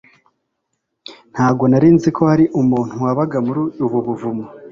Ntabwo nzi ko hari umuntu wabaga muri ubu buvumo.